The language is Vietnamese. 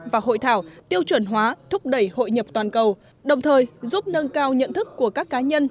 và hội thảo tiêu chuẩn hóa thúc đẩy hội nhập toàn cầu đồng thời giúp nâng cao nhận thức của các cá nhân